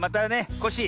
コッシー